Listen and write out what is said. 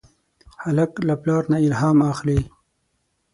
هلک له پلار نه الهام اخلي.